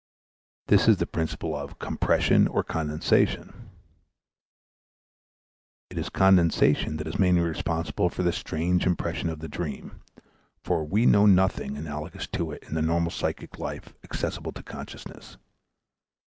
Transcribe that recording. This is the principle of compression or condensation. It is condensation that is mainly responsible for the strange impression of the dream, for we know of nothing analogous to it in the normal psychic life accessible to consciousness.